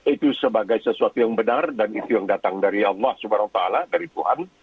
itu sebagai sesuatu yang benar dan itu yang datang dari allah swt dari tuhan